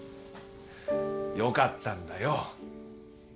よかったんだよ。